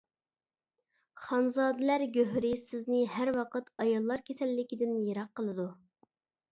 خانزادىلەر گۆھىرى سىزنى ھەر ۋاقىت ئاياللار كېسەللىكىدىن يىراق قىلىدۇ.